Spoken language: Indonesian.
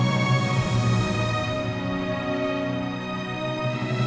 bisa dukung sama diri masin